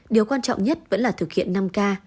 điều quan trọng nhất vẫn là thực hiện năm k